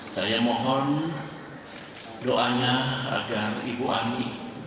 saya mohon doanya agar ibu ani